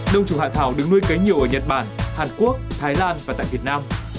đồng trùng hạ thảo được nuôi kế nhiều ở nhật bản hàn quốc thái lan và tại việt nam